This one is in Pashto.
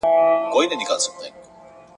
نو به کوچ وکړي د خلکو له سرونو !.